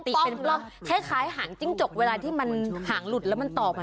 คล้ายหางจิ้งจกเวลาที่มันหางหลุดแล้วมันตอก